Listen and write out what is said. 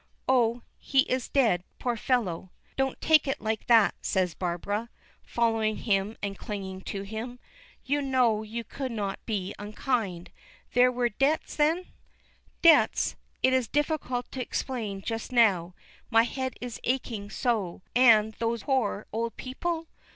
"Oh, he is dead, poor fellow." "Don't take it like that," says Barbara, following him and clinging to him. "You know you could not be unkind. There were debts then?" "Debts! It is difficult to explain just now, my head is aching so; and those poor old people?